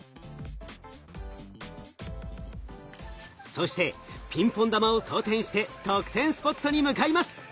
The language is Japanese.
そしてピンポン玉を装填して得点スポットに向かいます。